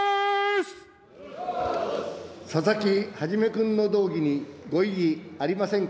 佐々木紀君の動議にご異議ありませんか。